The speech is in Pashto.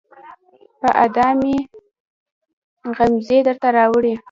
په ادا کې مې غمزې درته راوړي